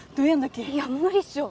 いや無理っしょ。